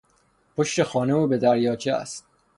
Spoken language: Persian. پشت خانه به دریاچه است.